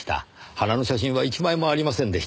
花の写真は１枚もありませんでした。